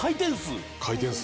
回転数？